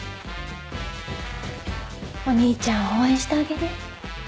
お兄ちゃんを応援してあげて。